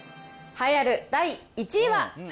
栄えある第１位は。